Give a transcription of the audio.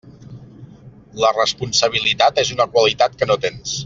La responsabilitat és una qualitat que no tens.